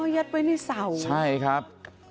ยัดไว้ในเสาใช่ครับ